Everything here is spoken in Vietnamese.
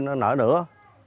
nó nở nữa